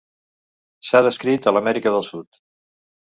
S'ha descrit a l'Amèrica del Sud.